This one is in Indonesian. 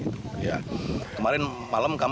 kemarin malam kami lihat